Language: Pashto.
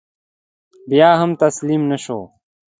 بیا هم تسلیم نه شو.